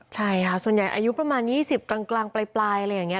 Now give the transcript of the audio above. ใช่ค่ะส่วนใหญ่อายุประมาณ๒๐กลางปลายอะไรอย่างนี้